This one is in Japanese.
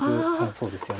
そうですよね。